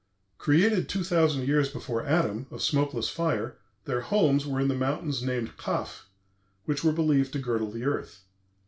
Created two thousand years before Adam, of smokeless fire, their homes were in the mountains named Kaff, which were believed to girdle the earth.